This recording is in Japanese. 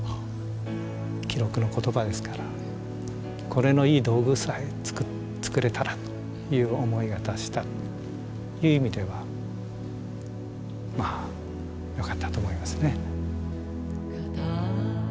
これのいい道具さえ作れたらという思いが達したという意味ではまあよかったと思いますね。